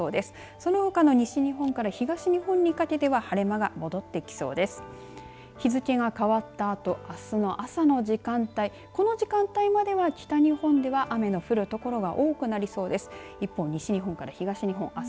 そのほかの西日本から東日本にかけては晴れ間が戻ってきそうです。